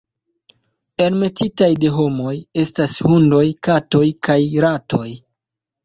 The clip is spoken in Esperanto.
Enmetitaj de homoj estas hundoj, katoj kaj ratoj.